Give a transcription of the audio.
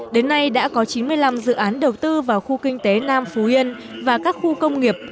đến nay đã có chín mươi năm dự án đầu tư vào khu kinh tế nam phú yên và các khu công nghiệp